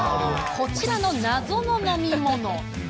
こちらの謎の飲み物。